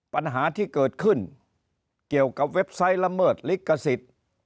ปัญหาที่เกิดขึ้นเกี่ยวกับเว็บไซต์ละเมิดลิขสิทธิ์